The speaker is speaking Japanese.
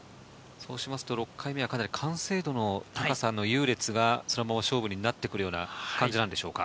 そうすると、６回目の完成度の高さの優劣がこのまま勝負になってくるような感じなんでしょうか？